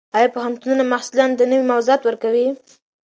ایا پوهنتونونه محصلانو ته نوي موضوعات ورکوي؟